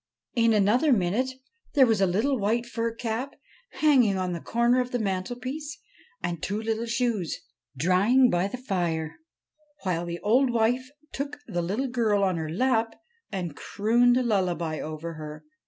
In another minute there was a little white fur cap hanging on the corner of the mantelpiece and two little shoes drying by the fire, while the old wife took the little girl on her lap and crooned a lullaby over her.